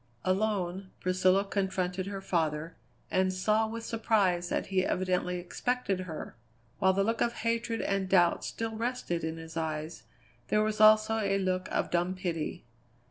Alone, Priscilla confronted her father, and saw with surprise that he evidently expected her. While the look of hatred and doubt still rested in his eyes, there was also a look of dumb pity.